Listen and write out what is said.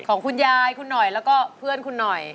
ของคุณยายคุณหน่อยแล้วก็เพื่อนคุณหน่อย